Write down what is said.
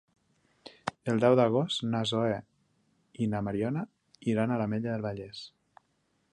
El deu d'agost na Zoè i na Mariona iran a l'Ametlla del Vallès.